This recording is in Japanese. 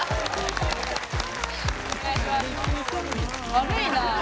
悪いなあ。